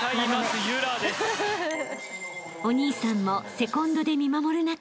［お兄さんもセコンドで見守る中］